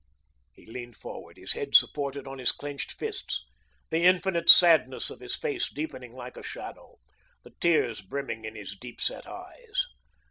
He leaned forward, his head supported on his clenched fists, the infinite sadness of his face deepening like a shadow, the tears brimming in his deep set eyes.